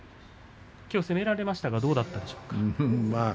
きょうは攻められましたがどうだったでしょうか。